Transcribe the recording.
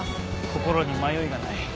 心に迷いがない。